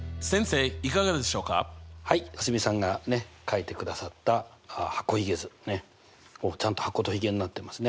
蒼澄さんが書いてくださった箱ひげ図ちゃんと箱とひげになってますね。